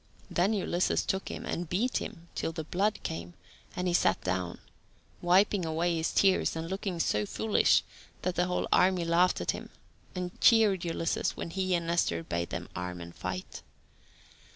Then Ulysses took him and beat him till the blood came, and he sat down, wiping away his tears, and looking so foolish that the whole army laughed at him, and cheered Ulysses when he and Nestor bade them arm and fight.